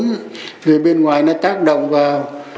người bên ngoài nó tác động vào